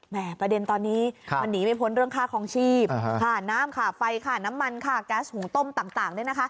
ประเด็นตอนนี้มันหนีไม่พ้นเรื่องค่าคลองชีพค่าน้ำค่าไฟค่าน้ำมันค่ะแก๊สหุงต้มต่างเนี่ยนะคะ